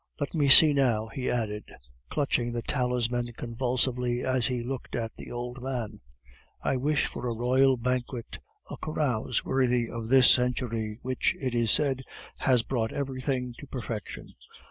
Let me see now," he added, clutching the talisman convulsively, as he looked at the old man, "I wish for a royal banquet, a carouse worthy of this century, which, it is said, has brought everything to perfection!